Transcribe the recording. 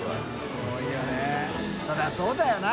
そりゃそうだよな。